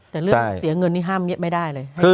แต่เรื่องเสียเงินนี่ห้ามไม่ได้เลย